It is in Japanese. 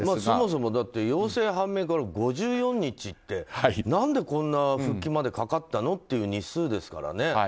そもそも陽性判明から５４日って何でこんな復帰までかかったのっていう日数ですからね。